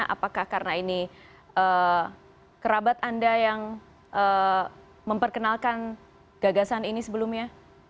apakah karena ini kerabat anda yang memperkenalkan gagasan ini sebelumnya